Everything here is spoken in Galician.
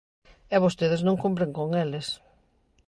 E vostedes non cumpren con eles.